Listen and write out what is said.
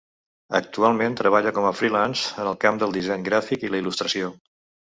Actualment treballa com a freelance en el camp del disseny gràfic i la il·lustració.